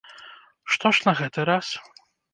Што ж на гэты раз?